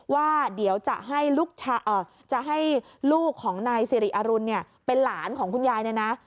ว่าเดี๋ยวจะให้ลูกของนายสิริอรุณเนี่ยเป็นหลานของคุณยายเนี่ยนะ